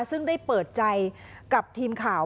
ซึ่งได้เปิดใจกับทีมข่าว